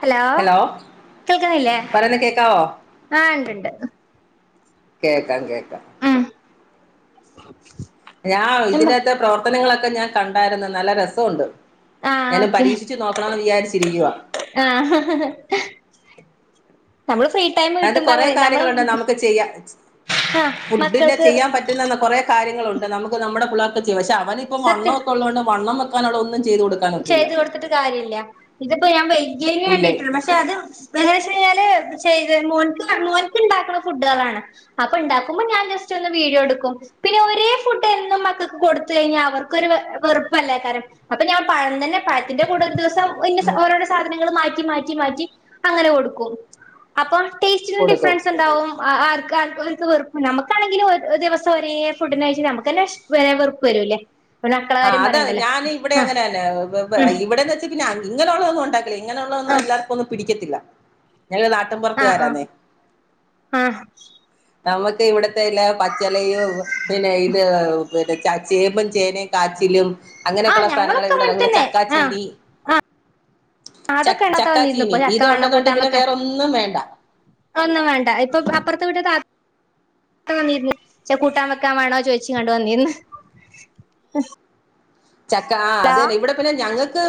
Hello കേൾക്കിണില്ലേ പറയുന്ന കേക്കാവോ ആഹ് ഉണ്ട്ണ്ട് കേക്കാം കേക്കാം ഉം ഞാൻ എന്താ ഇതിനത്തെ പ്രവർത്തനങ്ങളൊക്കെ ഞാൻ കണ്ടായിരുന്നു നല്ല രസുണ്ട് ആ ഞാനത് പരീക്ഷിച്ച് നോക്കണംമെന്ന് വിചാരിച്ചിരിക്കുവ ആഹ ഹഹഹ നമ്മള് ഫ്രീ ടൈം അയ്ൻ്റെ കിട്ടുമ്പോ കുറെ അങ്ങനെ നമ്മള് കാര്യങ്ങളുണ്ട് നമുക്ക് ചെയ്യാൻ ആ ഫുഡിന്റെ മക്കൾക്ക് ചെയ്യാൻ പറ്റുന്ന കൊറെ കാര്യങ്ങളുണ്ട് നമുക്ക് നമ്മുടെ പിള്ളേർക്ക് ചെയ്യാൻ പക്ഷെ അവനിപ്പം വണ്ണ സത്യം ഒക്കെ ഉള്ളോണ്ട് വണ്ണം വെക്കാനുള്ള ഒന്നും ചെയ്ത് കൊടു- ചെയ്തു കൊടുത്തിട്ട് കാര്യല്ല ഇതിപ്പം ഞാൻ വെല്യയ്ന് ഇല്ലേ വേണ്ടിട്ടുള്ള പക്ഷെ അത് എന്ത് വച്ച് കയ്ഞ്ഞാല് ചെയ്ത് മോൻക്ക് മോൻക്ക് ണ്ടാക്ക്ണ ഫുഡ് അതാണ് അപ്പം ഇ ണ്ടാക്കുമ്പം ഞാൻ ജസ്റ്റ് ഒന്ന് വീഡിയോ എ ട്ക്കും പിന്നെ ഒരേ ഫുഡ് എന്നും മക്കക്ക് കൊടുത്ത് കയ്ഞ്ഞാ അവർക്കൊരു വെറുപ്പല്ലെകാരം അപ്പം ഞാൻ പഴം തന്നെ പഴത്തിന്റെ കൂടെ ഒരു ദിവസം ഓരോസാധനങ്ങളൾ മാറ്റി മാറ്റി മാറ്റി മാറ്റി അങ്ങനെ കൊടുക്കും അപ്പ കൊടുക്കും ടേസ്റ്റിനുംഡിഫറൻസ് ഇണ്ടാവും ആഹ് ആർക്കാർക്കാ വെറുപ്പ് നമക്കാണെങ്കിൽ ഒരു ദിവസം ഒരേ ഫുഡിന കഴിച്ച നമുക്ക്ന്നെ വേണെ വെർപ്പ്‌ വരുലെ ആ തെ ഞാനവിടെ ങ്ങനന്നെറിയോ ഉം ഇവിടെന്ന് വെച്ച പിന്നെ ഇങ്ങനെയുള്ളതൊന്നും ഉണ്ടാക്കില്ല ഇങ്ങനെയുള്ളതൊന്നും ആഹ് എല്ലാർക്കുംന്നും പിടിക്കത്തില്ല ഞങ്ങൾ നാ ആഹ് ആഹ് ആഹ് നമുക്ക് ഇവിടത്തെല്ല പച്ചിലയും പിന്നെ ഇത് പിന്നെ ച ചേമ്പും ചേനയും കാച്ചിലും ആഹ് അങ്ങനെയൊക്കെയള്ള സാധനങ്ങളൾ ഞങ്ങളൊക്കെ എവിടെ അങ്ങനെ പിന്നെ തന്നെ ചക്ക ആഹ് ച്ചീനി ആഹ് ച അതൊക്കെ ഇണ്ടാത്ത വന്നിരുന്നു ചക്കാച്ചീനി ഇപ്പൊ ചക്ക ഇത് വേണോ ഉണ്ടെന്നുണ്ട കൂട്ടാൻ പിന്നെ വെക്കാൻ വേറൊന്നും വേണ്ട ഒന്നും വേണ്ട ഇപ്പൊ അപ്പുറത്ത് വിട്ട് താത്ത വന്നിരുന്നുന്ന് ചക്ക കൂട്ടാ വെക്കാൻ വേണോച്ചച്ച് കണ്ടു വന്നിന്ന് ചക്ക ആഹ് ഹലോ അതന്നെ ഇവിടെ പിന്നെ ഞങ്ങൾക്ക്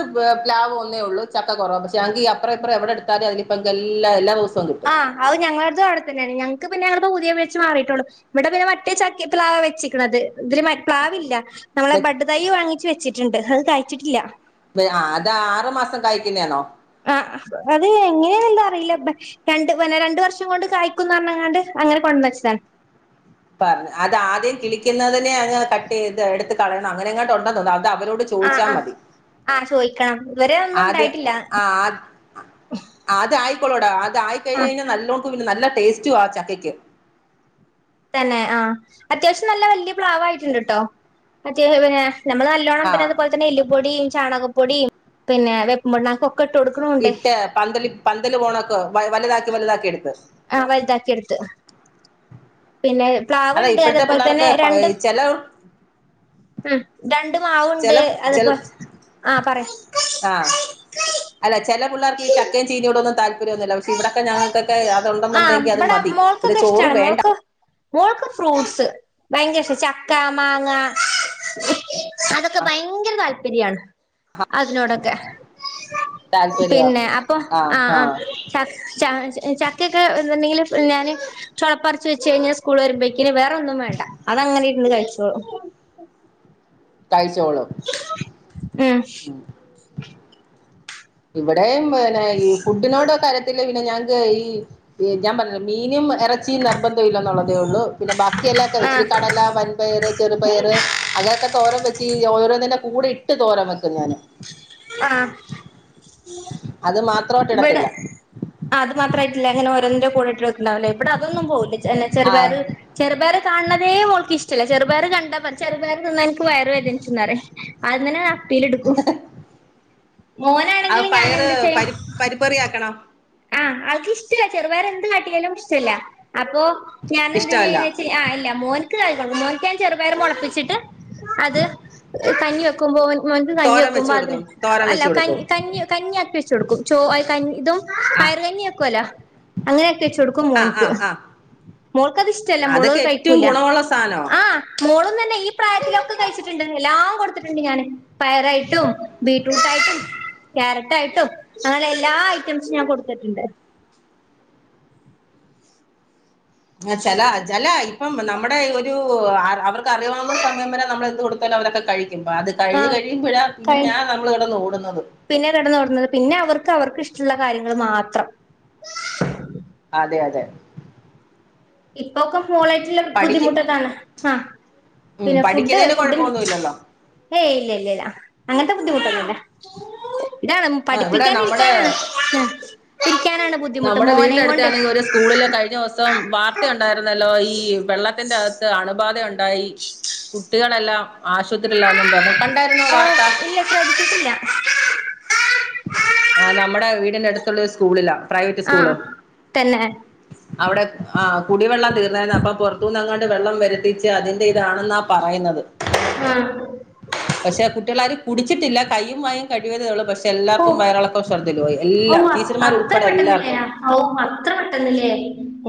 പ്ലാവ് ഒന്നേ ഉള്ളൂ ചക്ക കുറവ് പക്ഷേ ഞങ്ങക്ക് അപ്ര ഇപ്പ്ര എവിടെ എടുത്താലേ അതില് ക്കെല്ലാം എല്ലാ ദിവസവും കിട്ടും. ആഹ് ഞങ്ങളുടെ അവിടെത്തന്നാണ് ഞങ്ങൾക്ക് പിന്നെ അവിടെ പുതിയ വെച്ച് മാറിയിട്ടേള്ളു ഇവിടെ പിന്നെ മറ്റേ ചക്കി പ്ലാവ് വെച്ചക്കണത് ഇതില് പ്ലാവില്ല നമ്മളെ ബഡ് തൈ വാങ്ങിച്ച് വച്ചിട്ടുണ്ട് അത് കായ്ച്ചിട്ടില്ല അത് ആറു മാസം കായ്ക്കുന്നതാ ണോ ആഹ് അത് എങ്ങനെയ എന്താ അറിയില്ല പ്പ രണ്ട് പിന്നെ രണ്ടു വർഷം കൊണ്ട് കായ്ക്കുന്ന് പറഞ്ഞങ്ങാണ്ട് അങ്ങന കൊണ്ടന്ന വച്ചതാണ്. പറഞ്ഞ അത് ആദ്യം കിളിക്കുന്നതിനെ അങ്ങ് കട്ട് ചെയ്ത് എടുത്തത്ത് കളയണം അങ്ങനെ അങ്ങോട്ട് ഉണ്ടെന്നോ അത് അവരോട് ആഹ് ചോദിച്ചാ ആഹ് മതി ആഹ് ചോയിക്കണം ഇത് വരെ ഒന്നും ണ്ടായിട്ടില്ല. ആഹ് അത് ആയിക്കോളോടാ അത് ആഹ് ആയിക്കഴിഞ്ഞയ്ഞ നല്ലോണ്ട് പിന്നെ നല്ല ടേസ്റ്റും ആഹ് ചക്കക്ക്. തന്നെ ആഹ് അത്യാവശ്യം നല്ല വല്യ പ്ലാവായിട്ടുണ്ട്ട്ടോ മറ്റേ പിന്നെ നമ്മള് നല്ലോണ്ണം പിന്നെ ആഹ് അതുപോലെ തെ എല്ലുപൊടിം ചാണകപ്പൊടിം പിന്നെ വെപ്പ് പുണ്ണാക്ക് ഒക്കെ ഇട്ട് കൊടുക്ക്ണോണ്ട് ഇട്ട പന്തല് പന്തല് പോണക്കെ വലുതാക്കി വലുതാക്കി എടുത്ത്. ആഹ് വെൽത്താക്കിയെട്ത്ത്. പിന്നെ പ്ലാവ് അതാ ണ്ട് ഇപ്പോഴത്തെ അതേപോലെ തന്നെ പിള്ളേർക്ക് രണ്ടും. ചെല ഉം രണ്ട് ചെല മാവുണ്ട് ചെൽ അത്പ്പോ ആഹ് പറെ ആഹ് അല്ല ചെല പിള്ളേർക്ക് ചക്ക ചീനോടൊന്നും താല്പര്യല്ല പക്ഷെ ഇവിടൊക്കെ ഞങ്ങൾക്കൊക്കെ ആഹ് അത്ണ്ടെന്നുണ്ടെങ്കിൽ അത് ഇവിടെ മതി പിന്നെ മോൾക്കൊക്കെ ചോറു ഇഷ്ടാണ് വേണ്ട. മോൾക്ക് മോൾക്ക് ഫ്രൂട്ട്സ് ഭയങ്കര ഇഷ്ട ചക്ക മാങ്ങ അതൊക്കെ ഭയ്ങ്കര താല്പര്യണ്. അതിനോടൊക്കെ താല്പര്യ പിന്നെ അപ്പൊ ആഹ് ആഹ് ച ച്ച ചക്കൊക്കെ ന്ത്ണ്ടെങ്കില് ഞാന് ചൊളപ്പർച്ച് വെച്ചഴിഞ്ഞാൽ സ്കൂൾ വരുമ്പോഴേക്കിന് വേറെ ഒന്നും വേണ്ട അത അങ്ങനെര്ന്ന് കഴിച്ചോളും. കഴിചോളും. ഉം ഉം [inaudible] ഇവിടെയും പിന്നെ ഈ ഫുഡിനോട കരത്തില്ല പിന്നെ ഞങ്ങക്ക് ഈ ഞാ പറഞ്ഞല്ലോ മീനും ഇറച്ചിയും നിർബന്ധം ഇല്ല എന്നുള്ളതേ ഉള്ളൂ പിന്നെ ബാക്കിയെല്ലാം ക്കെ ആഹ് ഇച്ചിരിക്കടല പരി പയര് ചെറുപയര് അങ്ങനെയൊക്കെ തോരം വെച്ച് ഓരോന്നന്റെ കൂടെ ഇട്ട് തോരം വെക്കും ഞാന്. ആഹ് അത് മാത്രമായിട്ട് ബടെ. ഇടത്തില്ല ആഹ് അത് മാത്രയിട്ടല്ല അങ്ങനെ ഓരോന്നിന്റെ കൂടെട്ട് വക്ക്ണ്ടാവല്ലേ ഇവടെ അതൊന്നും പോകില്ല ചെ അല്ല ആഹ് ചെറുപയറ് ചെറുപയർ കാണ് ണതേ മോൾക് ഇഷ്ടല്ല ചെറുപയർ കണ്ടാ ചെറുയറ് തിന്നാ എനിക്ക് വയറ് വേദനിക്കുന്നറിം. ആദ്യം തെന്നണ്ട് അപ്പീല്ട്ക്കും. ആഹ് ഞാൻ പയറ് എന്ത് ചെയ്യും പരി പരിപ്പറിയക്കണം ആഹ് ആൾക്ക് ഇഷ്ടല്ല ചെറുപയ്ർ എന്ത് കാട്ടിയാലും ഇഷ്ടല്ല അപ്പൊ. ഞാൻ എന്ത് ഇഷ്ടമല്ല ചെയ്യോന്ന് വെച്ച ആഹ് ഇല്ല മോന്ക്ക് കയിക്കണം മോൻ ഞാന് ചെറുപയ്റ് മോള്പ്പിച്ചിട്ട് അത് കഞ്ഞി വെക്കുമ്പോലെ മോന്ക്ക് കഞ്ഞി തോരൻ വെച്ച് വെക്കുമ്പോ അത് കൊടുക്കും തോരൻ അല്ല വെച്ച് ക കഞ് കൊടുക്കും കഞ് കഞ്ഞി ആക്കി വെച്ച് കൊടുക്കും ച്ചോ അല്ല കഞ് ഇതും ആഹ് പയറ് കഞ്ഞി വെക്കോലോ അങ്ങനാക്കി വെച്ച് കൊടുക്കും ആഹ് മോന്ക്ക് ആഹ് ആഹ് മോള്ക്ക് അത് ഇഷ്ടല്ല മോളത് അതൊക്കെ ഏറ്റവും കഴിക്കൂല ഗുണമുള്ള സാധനമാ ആഹ് മോളും തന്നെ ഈ പ്രായത്തിലൊക്കെ കഴിച്ചിട്ടുണ്ട് എല്ലാം കൊടുത്തിട്ടുണ്ട് ഞാന് പയറായിട്ടും ബീ ബീട്ട്റൂട്ടായിട്ടും ക്യാരറ്റായിട്ടും അങ്ങനെ എല്ലാ ഐറ്റംസും ഞാൻ കൊടുത്തിട്ടുണ്ട് ആഹ് ചെല ജല ആയി ഇപ്പം നമ്മുടെ ഒരു അവർക്ക് അറിയാവുന്ന സമയം വരെ നമ്മൾ എന്ത് കൊടുത്താലും അവരൊക്കെ കഴിക്കുമ്പോ അത് കഴിഞ്ഞ് ആഹ് കഴിയുമ്പോഴാ കഴി പിന്നാ നമ്മൾ കെടന്ന് ഓടുന്നത് പിന്നെ കിടന്നു ഓടുന്നത് പിന്നെ അവർക്ക് അവർക്ക് ഇഷ്ടള്ള കാര്യങ്ങൾ മാത്രം അതെ അതെ ഇപ്പൊക്കെ മോളായ്റ്റുള്ള പഠിക്ക ബുദ്ധിമുട്ടൊക്കാണ് ആഹ് ഉം, പിന്നെ ഫുഡ് പഠിക്കുന്നതിന് ഫുഡിന് കുഴപ്പമൊന്നുമില്ലല്ലോ ഹേയ് ഇല്ല ഇല്ല ഇല്ല അങ്ങനത്തെ ബുദ്ധിമുട്ടൊന്നുല്ല ഇതാണ് ആ, ഇവിടെ പഠിപ്പിക്കാന് നമ്മുടെ ഇരിക്കാനാണ് ഇരിക്കാനാണ് ബു നമ്മുടെ വീന്റെ അടുത്ത ആണെങ്കിൽ ഒരു സ്കൂളില് കഴിഞ്ഞ ദിവസം വാർത്തയ ഉണ്ടായിരുന്നല്ലോ ഈ വെള്ളത്തിന്റെ അണുബാധ ഉണ്ടായി കുട്ടികളെല്ലാം ആശുത്രില്ലാണെന്നും പറഞ്ഞു കണ്ടായിരുന്നോ ആഹ് വാർത്ത ഇല്ല ശ്രദിച്ചിട്ടില്ല ആഹ് നമ്മുടെ വീടിന്റെ അടുത്തുള്ളരു സ്കൂളില്ല പ്രൈവറ്റ് സ്കൂള് ആഹ് തന്നെ അവിടെ ആ കുടിവെള്ളം തീർന്നായിരുന്നു അപ്പൊ പുറത്തുനിന്ന് അങ്ങോട്ട് വെള്ളം വരുത്തിച്ച് അതിന്റെ ഇതാണെന്ന പറയുന്നത് ആഹ് പക്ഷെ കുട്ടികളാാര് കുടിച്ചിട്ടില്ല കയ്യും വായയും കഴിയതേള്ളൂ പക്ഷെ പക്ഷെ ഓ എല്ലർക്കും വയറിളക്കും ഷർദ്ധയിൽ പോയി എല്ലാ ടീച്ചർമാർ ഉൾപ്പെടെ എല്ലാർക്കും ഓഹ് അത്ര പെട്ടെന്നില്ലേ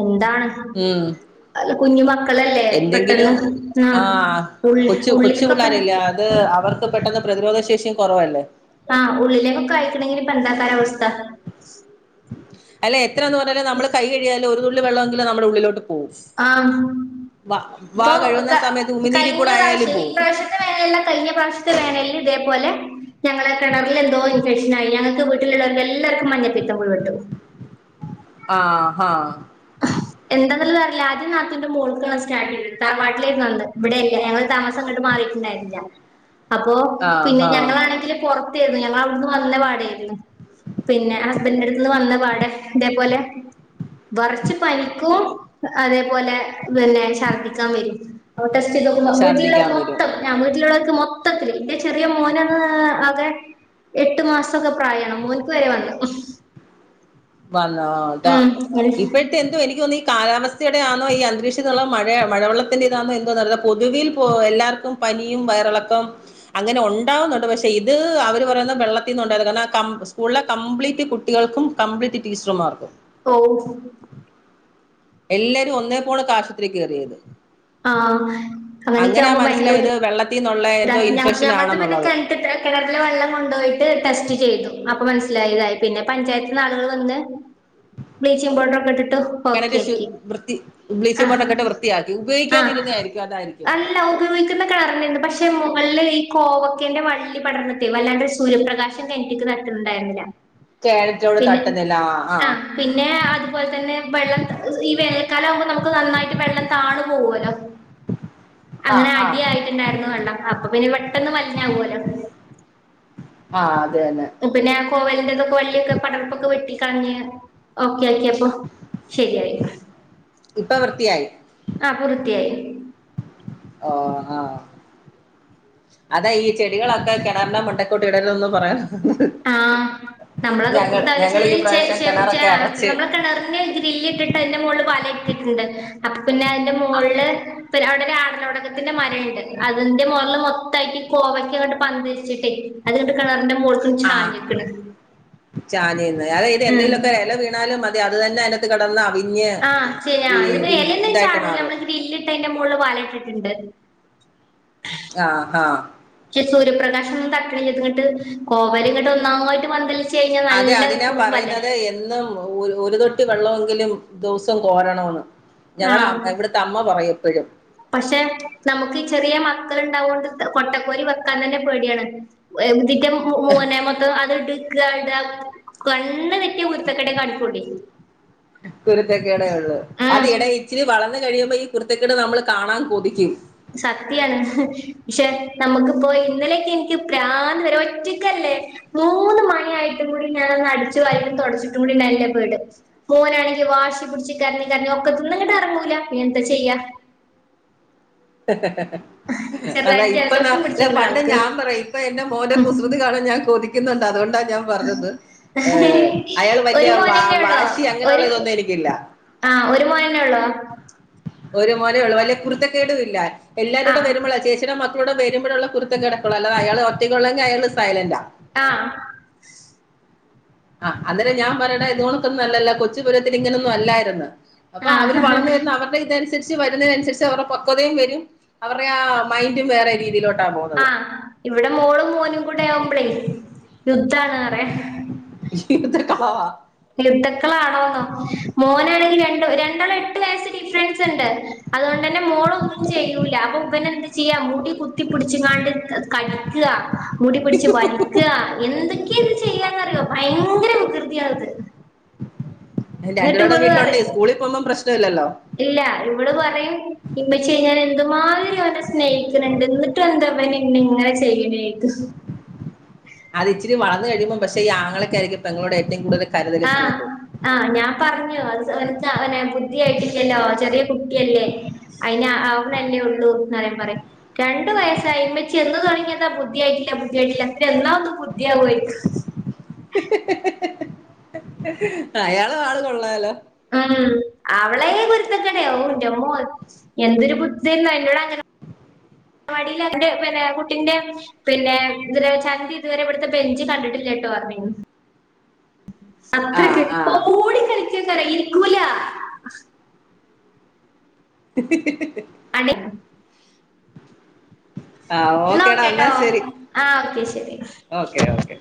എന്താണ് ഉം അല്ല കുഞ്ഞു മക്കളല്ലേ എന്തെങ്കിലും പെട്ടെന്ന് ആഹ് ഉള്ളി കൊച്ചു കൊച്ചു ഉള്ളിലേക്കൊക്കെ പിള്ളോരല്ല അത് അവർക്ക് പെട്ടെന്ന് പ്രതിരോധ ശേഷിയും കുറവല്ലേ ആഹ് ഉള്ളിലേക്കൊക്കെ കഴക്കണമെങ്കി ഇപ്പ എന്താക്കരവസ്ഥ അല്ല എത്രയെന്ന് പറഞ്ഞാല നമ്മൾ കൈ കഴുകിയാലുംഒരു തുള്ളി വെള്ളമെങ്ക നമ്മുടെ ഉള്ളിലോട്ട് പോവും ആഹ് വാ ഇപ്പൊ കഴുകുന്ന ക സമയത്ത് ഉമിനീരിൽ കഴിഞ്ഞ കൂടെ ആയാലും പ്രാവശ്യം ഈ പോവും പ്രാവശ്യം വേനല്ല കല്ഞ്ഞ പ്രാവശ്യ വേനല്ലും ഇതേപോലെ ഞങ്ങളെ കിണറൽ എന്തോ ഇൻഫെക്ഷൻ ആയി ഞങ്ങക്ക് വീട്ടിലുള്ളവർക്ക് എല്ലർക്കും മഞ്ഞപ്പിത്തം കുഴെട്ടു ആഹ് ആഹ് എന്താെന്നുള്ളല്ല ആദ്യം നാത്തിൻന്റെ മോക്ക സ്റ്റാട്ട് ചെയ്ത് തറവാട്ടിലരുന്നുണ്ട് ഇവിടെയല്ല ഞങ്ങൾ താമ അട്ട് മാറിയിട്ടണ്ടായില്ല അപ്പോൊ ആ പിന്നെ ഹാ ഞങ്ങളാണെങ്കില് പുൊറത്തരുന്നു ഞങ്ങ അവിടുന്ന് വന്ന പാട ആയിരുന്നു പിന്നെ ഹസ്ബൻഡന്റെ അടുത്ത്ന്ന് വന്ന പാടെ ഇതേപോലെ വറച്ച അതേപോലെ പിന്നെ ശർദ്ദിക്കാൻ വരും ടെസ്റ്റയ്തോക്കുമ്പോ വീട്ടിൽ ഛർദിക്കാൻ ള്ളോർക്ക് വരും മൊത്തം ഞാൻ വീട്ടിലുള്ളടെക്ക് മൊത്തത്തില് എന്റെ ചെറിയ മോന ആകെ എട്ട് മാസമൊക്കെ പ്രായമാണ് മോനക്ക് വരെ വന്നു വന്നട്ടാ ഉം ഇപ്പൊ എന്തോ എനിക്ക് തോന്നുന്നു ഈ കാലാവസ്ഥയുടെയാണോ ഈ അന്തരീക്ഷത്തിള്ള മഴ മഴവള്ളത്തിന്റതാണോ എന്തോ പറല്ലത് പൊതുവിൽപ്പോ എല്ലാവർക്കും പനിയും വയറിളക്കം അങ്ങനെ ഉണ്ടാാവുന്നുണ്ട് പക്ഷെ ഇത് അവർ പറയുന്ന വെള്ളത്തിൽ നിന്നും ഉണ്ടായിരുന്നു കാരണം സ്കൂളിലെ കംപ്ലീറ്റ് കുട്ടികൾക്കും കംപ്ലീറ്റ് ടീച്ചർ മാർക്കും ഓഹ് എല്ലാരും ഒന്നേ പോണൊക്കെ ആശുത്രിക്ക് കയറിയത് ആഹ് അങ്ങനെയൊക്കെ ആവുമ്പോൾ ഭയങ്കര ബുദ്ധിമുട്ടാ വെള്ളത്തിന്നുള്ള ഞമ്മൽത് പിന്നെ കെ കിണറൽ വെള്ളം കൊണ്ടുപോയിട്ട് ടെസ്റ്റ് ചെയ്തു അപ്പൊ മനസ്സിലായതായി പിന്നെ പഞ്ചായത്ത് നിന്ന് ആളുകൾ വന്ന് ബ്ലീചിങ് പൗഡറോക്കെ ഇട്ട്ട്ട് കിണറ്റ വൃത്തി ബ്ലീച്ചിംഗ പൗഡർ ഒക്കെട്ട് വൃത്തിയാക്കി ഉപയോഗിക്കാതിരുന്നതായിരിക്കും അതായിരിക്കും ഉപയോഗിക്കണ കേണറന്നേ പക്ഷെ പക്ഷെ മുകളില് ഈ കോവക്കേന്റെ വള്ളി പടർന്നത്തി വല്ലാണ്ട് ഒരു സൂര്യപ്രകാശം കറ്റക്ക് നട്ടുണ്ടായിുന്നില്ല കേരളത്തിലോട് തട്ടുന്നില്ല ആഹ് പിന്നെ അതുപോലെ തന്നെ വെള്ളം ഈ വേനക്കാലം ആവുമ്പോ നമുക്ക് നന്നായിട്ട് വെള്ളം താണു പോകല്ലോ അങ്ങനെ ആഹ് ആഹ് അടിയായിട്ടുണ്ടായിരുന്നു വെള്ളം അപ്പൊ പിന്നെ പെട്ടെന്ന് മലിഞ്ഞാവല്ലോ ആഹ് അത് തന്നെ പിന്നെ കോവൽന്റെതൊക്കെ വള്ളിയൊക്കെ പടർപ്പൊക്കെ വെട്ടി കളഞ്ഞ് ഓക്കെ ആക്കിയപ്പൊ ശെരിയായി. ഇപ്പ വൃത്തിയായി. ആഹ് പൂർത്തിയായി. ഓഹ് ആഹ് അതാ ഈ ചെടികളൊക്കെ കെണറിണ്ടെ മണ്ട ത്തോട്ടിടരുതെന്നും പറയാ ആഹ് നമ്മളത് ഈ തലശെരി പ്രാവശ്യം [unintelligible] കിണറൊക്കെ ആഹ് അടച്ച് നമ്മളെ കെണറിന്റെ ഗ്രില്ലിട്ടിട്ട് അയിന്റെ മോള്ല് വലയിട്ടിട്ട്ണ്ട് അപ്പ പിന്നെ അയിന്റെ മോൾല് അവടെ ആടലോട ത്തിന്റെ മരണ്ട് അതിന്റെ മൊകളില് മൊത്തായിട്ട് കോവക്ക ഈ പന്തൽച്ചിട്ടെ അത്ങ്ങട്ട് കെണറിന്റെ മോൾ ക്ക് ച്ചാന്ക്ക്ണ്. ചാഞ്ഞ്ന്നോ അതാ ഇത് എന്തെങ്കിലൊക്കെ എല വീണാലും മതി അത് തന്നെ അതി ന്റെ അകത്ത് കടന്ന് അവിഞ്ഞ് ആഹ് ഈ ഇതായിട്ട് മാറും ഗ്രില്ലിട്ടതിന്റെ മോളില് വല ഇട്ടിട്ട്ണ്ട്. ആഹ് ആഹ് ഈ സൂര്യപ്രകാശം ഇങ്ങനെ തട്ടിനിന്നിട്ട് കോവല് ഇങ്ങട്ട് ഒന്നായിട്ട് പന്തൽ ൽച്ചഴിഞ്ഞാൽ അതെ നല്ല അതിനാ കുടുംമ്പല്ലേ പറയുന്നത് എന്നും ഒ ഒരു തൊട്ടി വെള്ളമെങ്കിലും ദിവസം കോരണംന്ന് ഞങ്ങളെ അ ആഹ് ഇവട് ത്തെ അമ്മ പറയും എപ്പഴും. പക്ഷെ നമ്മക്ക് ചെറിയ മക്കള്ണ്ടാവോണ്ട് കൊട്ടക്കോരി വെക്കാൻ തന്നെ പേടിയാണ് ഇതിറ്റ മൂ മൊത്തം അത് ഇട്ട് നിക്കാടാ കണ്ണ് തെറ്റിയ കുരുത്തകേടെ കണിക്കൊള്ളെ കുരുത്തക്കേടെയൊള്ളൂ അത് ഉം എടാ ഇച്ചിരി വളർന്നു കഴിയുമ്പോ ഈ കുരുത്തക്കേട് നമ്മള് കാണാൻ കൊതിക്കും സത്യാണ്. പക്ഷെ നമുക്കിപ്പോ ഇന്നലെയൊക്കെ എനിക്ക് പ്രാന്ത് വരാ ഒറ്റക്കല്ലേ മൂന്ന് മണിയായിട്ടും കൂടി ഞാനൊന്ന് അടിച്ചു വാരി തൊടച്ചിട്ടും കൂടി ഇല്ല വീട് മോനാണെങ്കി വാശി പുടിച്ച് കരഞ്ഞ് കരഞ്ഞ് ഒക്കത്തിന്നിങ്ങട്ട് എറങ്ങൂല പിന്നെ എന്താ ചെയ്യാ അതാ ചെറുതായിട്ട് ഇപ്പതാ ജലദോഷം പിടിച്ചിക്ക്ണ് പണ്ട് ആൾക്ക് ഞാൻ പറയും ഇപ്പ എന്റെ മോന്റെ ക്രുസ് ഉം തി കാണൻ ഞാൻ കൊതിക്കുന്നുണ്ട് അതൊ ണ്ടാ ഞാൻ പറഞ്ഞത് ഏഹ് അയാള് ഒരു വലിയ വ മോനന്നെ ഉള്ളോ വാശി അങ്ങനെയുള്ള ഒരു ഇതൊന്നും എക്കില്ല ആഹ് ഒര് മോനന്നെ ഒള്ളോ ഒര് മോനേ ഒള്ളു വല്യ കുരുത്ത കേടും ഇല്ല എല്ലാരൂടെ ആഹ് വരുമ്പളാ ചേച്ചിയുടെ മക്ക ളിവടെ വരുമ്പോഴുള്ള കുരുത്ത കേടൊക്കൊള്ളൂ അല്ല അയാള് ഒറ്റക്കൊള്ളങ്കി അയാള് സൈലന്റാ ആഹ് ആ അന്നേരം ഞാൻ പറയ്ണാ ഇത് പോണോത്തല്ലല്ലോ കൊച്ചുപുരത്തിന് ഇങ്ങനൊന്നും അല്ലായിര്ന്ന് അപ്പ അവര് ആഹ് വളർന്നു വരുന്ന അവ ഇതനുസരിച്ച് വരുന്നേനനുസരിച്ച് അവരുടെ പക്വതയും വരും അവരുടെ ആ മൈന്റും വേറെ രീതിയിലോ ആഹ് ഇവടെ മോളും മോനും കൂടെ ആവുമ്പളേ യുദ്ധണറിയാ ഇതൊക്കെ യുദ്ധക്കളാണോന്നോ മോനാണെങ്കി രണ്ട് രണ്ടാള് രണ്ട് വയസ്സ് ഡിഫ്‌റൻസ്ണ്ട് അതുകൊണ്ട് തന്നെ മോളൊന്നും ചെയൂല അപ്പം ഇവനെന്താ ചെയ്യാ മുടി കുത്തി പിടിച്ച്കാണ്ട് കടിക്ക മുടി പിടിച്ച് വലി ക്ക്യാ എന്തൊക്കെയാന്ന് ചെയ്യാന്നറിയോ ഭയങ്കര വികൃതിയാത്. രണ്ട് പേരൂടെ വീട്ടിലോട്ടെ പറയും സ്കൂളിൽ പോകുമ്പം പ്രശ്നല്ലല്ലോ ഇല്ല ഇവള് പറിം ഇമ്മച്യേ ഞാന് എന്തുമാതിരി ഓനെ സ്നേഹിക്ക്ണ് ണ്ട് ഇങ്ങ ങ്ങട്ടും എന്താ ഇവ നിന്നെ ഇങ്ങനെ ചെയ്യ്ണേ ചോയിക്കും. അത് ഇച്ചിരി വളർന്ന് കഴിയുമ്പം പക്ഷേ ഈ ആങ്ങളക്കയിരിക്കും പെങ്ങളോട് ഏറ്റവും കൂടുതൽ. കരുതലും ആഹ് സ്നേഹവും ആഹ് ഞാൻ പറഞ്ഞു [unintelligible] ബുദ്ധി ആയിട്ടില്ലല്ലോ. ചെറിയ കുട്ടിയല്ലേ അയിന് ആവണ് അല്ലെ ഉള്ളൂന്നറിമ്പം പറയും. രണ്ടു വയസ്സായി മ്മച്ചി എന്ന് തുടങ്ങി യതാ ബുദ്ധി ആയിട്ടില്ല ബുദ്ധി ആയിട്ടില്ല എന്നാ ഒന്ന് ബുദ്ധി ആവാന്ന് ചോയിക്കും. അയാള് ആള് കൊള്ളാലോ. ഉം അവളെ കുരുത്തക്കെട് ഔന്റെമ്മോ എന്തൊരു ബുദ്ധ്യേന്നോ അയ്നോട് അങ്ങനെ. തറവാടീലുണ്ട് പിന്നെ കുട്ടിന്റെ. പിന്നെത് വരെ ചന്തി ഇതുവരെ ഇവിടുത്തെ ബെഞ്ച് കണ്ടിട്ടില്ല ട്ടോ പറഞ്ഞിര്ന്നു. ആ സത്യായിട്ട് ആ ഓടി കളിക്കയ്ക്കാരം ഇരിക്കൂല. [unintelligible] ആഹ് ഓക്കേടാ എന്നാ ശരി ആ ഓക്കെ ശരി ഓക്കെ ഓക്കെ.